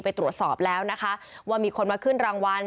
ไปตรวจสอบแล้วนะคะว่ามีคนมาขึ้นรางวัล